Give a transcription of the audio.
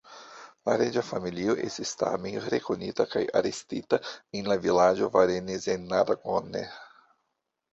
La reĝa familio estis tamen rekonita kaj arestita en la vilaĝo Varennes-en-Argonne.